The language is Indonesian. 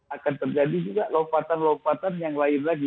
akan terjadi juga lompatan lompatan yang lain lagi